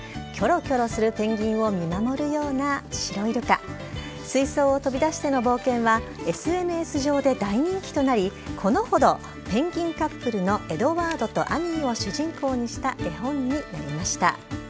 きょろきょろするペンギンを見守るようなシロイルカ、水槽を飛び出しての冒険は、ＳＮＳ上で大人気となり、このほど、ペンギンカップルのエドワードとアニーを主人公にした絵本になりました。